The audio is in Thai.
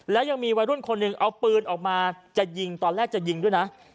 แล้วยังมีวัยรุ่นคนหนึ่งเอาปืนออกมาจะยิงตอนแรกจะยิงด้วยนะ